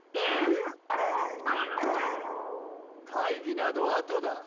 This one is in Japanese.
ん？会議などあとだ。